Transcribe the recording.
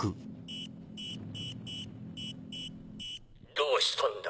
どうしたんだ？